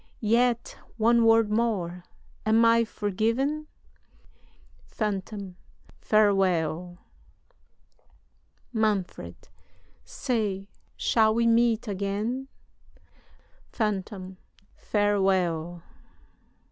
Yet one word more am I forgiven? "PHANTOM. Farewell! "MANFRED. Say, shall we meet again? "PHANTOM. Farewell!